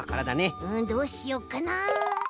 どうしよっかな。